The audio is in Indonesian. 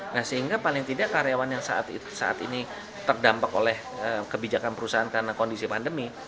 nah sehingga paling tidak karyawan yang saat ini terdampak oleh kebijakan perusahaan karena kondisi pandemi